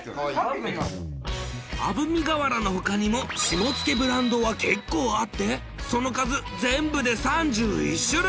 あぶみ瓦の他にも下野ブランドは結構あってその数全部で３１種類！